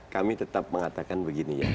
kami tetap mengatakan begini ya